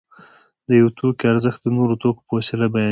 د یو توکي ارزښت د نورو توکو په وسیله بیانېږي